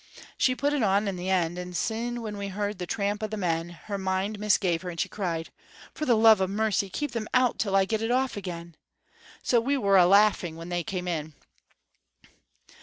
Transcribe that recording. She put it on in the end, and syne when we heard the tramp o' the men, her mind misgave her, and she cried: 'For the love o' mercy, keep them out till I get it off again!' So we were a' laughing when they came in.